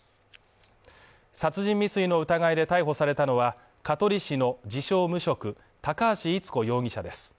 殺人未遂の疑いで逮捕されたのは、香取市の自称無職、高橋伊都子容疑者です。